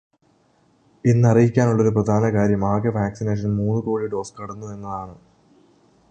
ഇന്നറിയിക്കാനുള്ള ഒരു പ്രധാനകാര്യം ആകെ വാക്സിനേഷന് മൂന്നു കോടി ഡോസ് കടന്നു എന്നതാണ്.